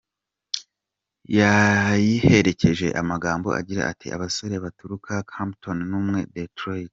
Yayiherekeje amagambo agira ati "Abasore baturuka Compton n’umwe wa Detroit.